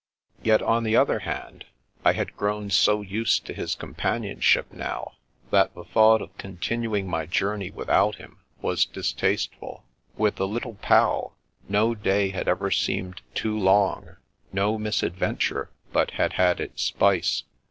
Yet, on the other hand, I had grown so used to his companionship now, that the thought of continuing my journey without him was distasteful. With the Little Pal, no day had ever seemed too long, no misadventure but had had its spice.